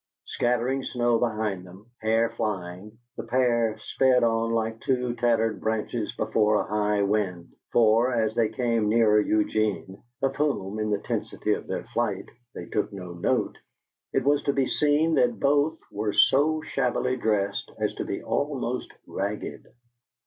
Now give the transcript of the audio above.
Scattering snow behind them, hair flying, the pair sped on like two tattered branches before a high wind; for, as they came nearer Eugene (of whom, in the tensity of their flight, they took no note), it was to be seen that both were so shabbily dressed as to be almost ragged.